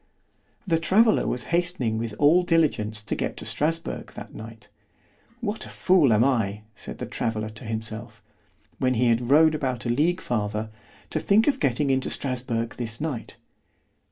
The traveller was hastening with all diligence to get to Strasburg that night. What a fool am I, said the traveller to himself, when he had rode about a league farther, to think of getting into Strasburg this night.